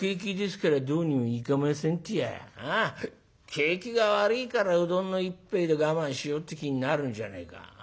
景気が悪いからうどんの一杯で我慢しようって気になるんじゃねえか。